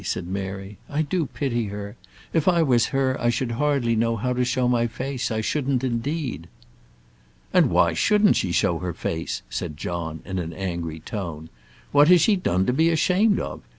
said Mary. "I do pity her. If I was her I should hardly know how to show my face; I shouldn't, indeed." "And why shouldn't she show her face?" said John, in an angry tone. "What has she done to be ashamed of?